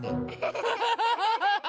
ハハハハハハ。